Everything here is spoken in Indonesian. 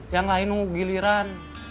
yang lain nunggu giliran